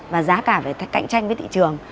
và giá cả phải cạnh tranh với thị trường